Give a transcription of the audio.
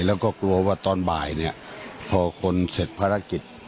แล้วก็กลัวว่าตอนบ่ายเนี่ยพอคนเสร็จภารกิจ